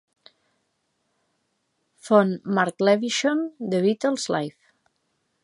"Font:" Mark Lewisohn, "The Beatles Live!